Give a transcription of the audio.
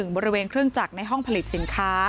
บริเวณเครื่องจักรในห้องผลิตสินค้า